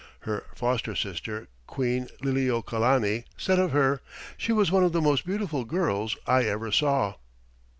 Her foster sister, Queen Liliuokalani, said of her, "She was one of the most beautiful girls I ever saw."